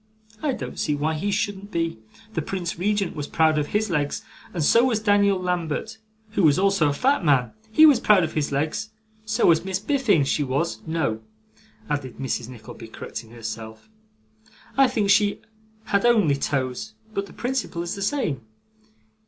I don't see why he shouldn't be. The Prince Regent was proud of his legs, and so was Daniel Lambert, who was also a fat man; HE was proud of his legs. So was Miss Biffin: she was no,' added Mrs. Nickleby, correcting, herself, 'I think she had only toes, but the principle is the same.